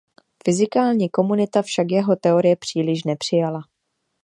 Fyzikální komunita však jeho teorie příliš nepřijala.